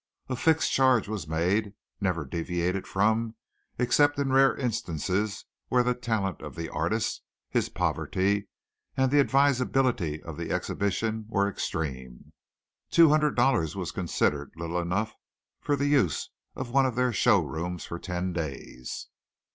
A fixed charge was made, never deviated from except in rare instances where the talent of the artist, his poverty, and the advisability of the exhibition were extreme. Two hundred dollars was considered little enough for the use of one of their show rooms for ten days.